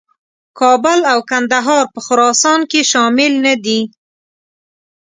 کابل او کندهار په خراسان کې شامل نه دي.